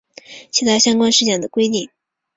其他相关事项等规定